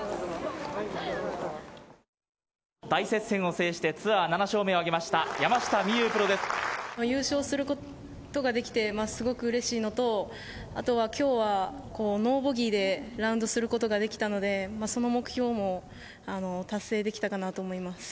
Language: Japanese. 大接戦を制してツアー７勝目挙げました優勝することができてすごくうれしいのとあとは今日はノーボギーでラウンドすることができたのでその目標も達成できたかなと思います。